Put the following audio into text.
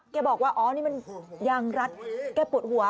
บอกว่าอ๋อนี่มันยางรัดแกปวดหัว